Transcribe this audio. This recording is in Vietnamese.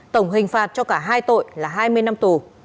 tổng hình phạt cho cả hai tội là hai mươi năm tù